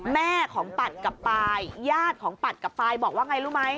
แม่ของปัดกลับไปญาติของปัดกลับไปบอกว่าอย่างไรรู้ไหม